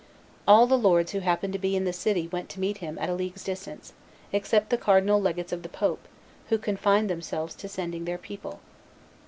All the lords who happened to be in the city went to meet him at a league's distance, except the cardinal legates of the pope, who confined themselves to sending their people.